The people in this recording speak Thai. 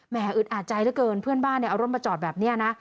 แหมอึดอาจใจเท่าเกินเพื่อนบ้านเนี้ยเอารถมาจอดแบบเนี้ยนะ